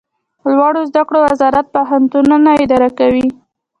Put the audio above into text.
لوړو زده کړو وزارت پوهنتونونه اداره کوي